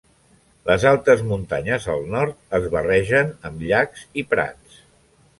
Les altes muntanyes al nord es barregen amb llacs i prats.